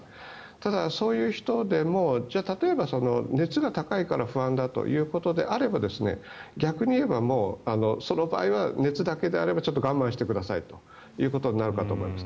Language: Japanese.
ただそういう人でもじゃあ、例えば熱が高いから不安だということであれば逆に言えばその場合は熱だけであればちょっと我慢してくださいということになるかと思います。